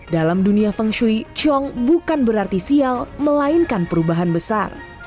dalam dunia feng shui chong bukan berarti sial melainkan perubahan besar